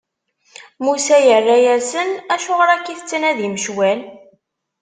Musa yerra-asen: Acuɣer akka i tettnadim ccwal?